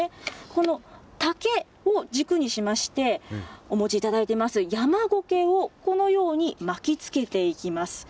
この竹を軸にしまして、お持ちいただいています、ヤマゴケをこのように巻きつけていきます。